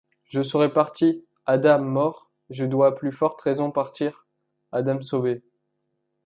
Je serais parti, Adam mort ; je dois à plus forte raison partir, Adam sauvé.